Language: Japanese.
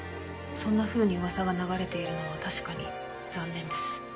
そんなふうに噂が流れているのは確かに残念です。